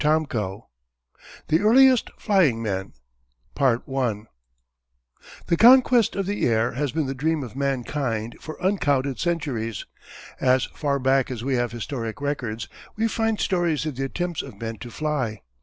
CHAPTER II THE EARLIEST FLYING MEN The conquest of the air has been the dream of mankind for uncounted centuries. As far back as we have historic records we find stories of the attempts of men to fly.